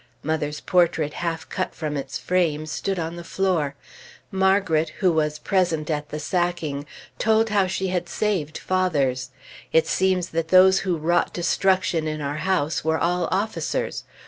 Mother's portrait half cut from its frame stood on the floor. Margret, who was present at the sacking, told how she had saved father's. It seems that those who wrought destruction in our house were all officers.